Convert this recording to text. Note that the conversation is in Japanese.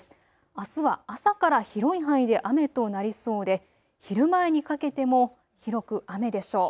あすは朝から広い範囲で雨となりそうで昼前にかけても広く雨でしょう。